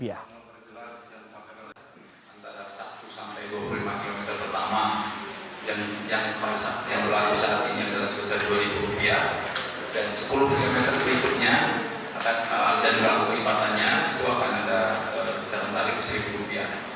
yang berlaku saat ini adalah sebesar rp dua dan sepuluh km berikutnya dan terlalu kelimpatannya itu akan ada disarankan rp satu